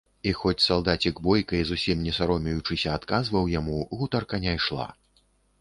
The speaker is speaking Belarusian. І хоць салдацік бойка і зусім не саромеючыся адказваў яму, гутарка не ішла.